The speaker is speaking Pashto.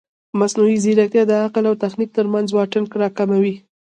مصنوعي ځیرکتیا د عقل او تخنیک ترمنځ واټن راکموي.